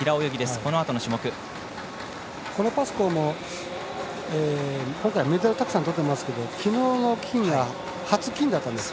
このパスコーも今回メダルたくさんとってますけどきのうの金は初金だったんですね。